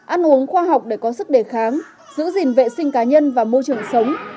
ăn uống khoa học để có sức đề kháng giữ gìn vệ sinh cá nhân và môi trường sống